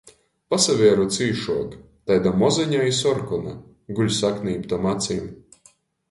Pasaveru cīšuok — taida mozeņa i sorkona, guļ saknīptom acim...